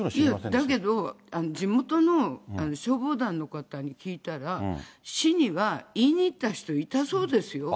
だけど地元の消防団の方に聞いたら、市には言いに行った人いたそうですよ。